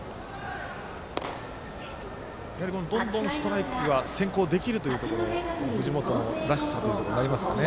どんどんストライクが先行できるというところ藤本のらしさになりますかね。